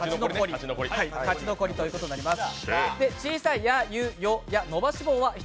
勝ち残りということになります。